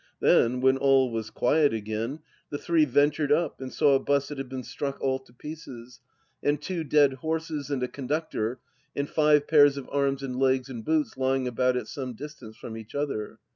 Then, when all was quiet again, the three ventured up and saw a bus that had been struck all to pieces, and two dead horses and a conductor and five pairs of arms and legs in boots lying about at some distance from each other.